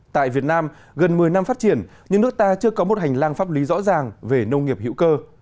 tại việt nam gần một mươi năm phát triển nhưng nước ta chưa có một hành lang pháp lý rõ ràng về nông nghiệp hữu cơ